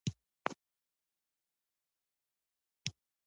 یاد شوي تاریخونه خاینینو ته ځواب دی.